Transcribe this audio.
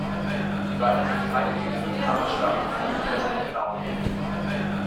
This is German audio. Die Beine sind feingliedrig aber stark, mit festen Klauen.